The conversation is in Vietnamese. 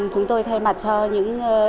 chúng tôi thay mặt cho những